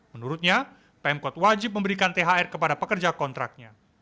menurutnya pemkot wajib memberikan thr kepada pekerja kontraknya